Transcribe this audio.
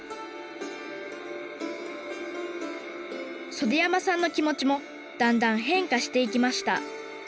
袖山さんの気持ちもだんだん変化していきました。